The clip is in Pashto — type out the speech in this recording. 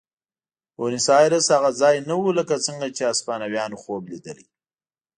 بونیس ایرس هغه ځای نه و لکه څنګه چې هسپانویانو خوب لیدلی.